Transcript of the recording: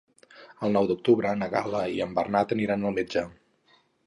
El nou d'octubre na Gal·la i en Bernat aniran al metge.